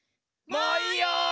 もういいよ！